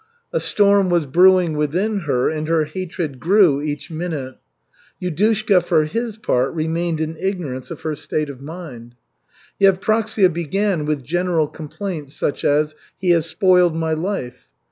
A storm was brewing within her, and her hatred grew each minute. Yudushka, for his part, remained in ignorance of her state of mind. Yevpraksia began with general complaints, such as "he has spoiled my life."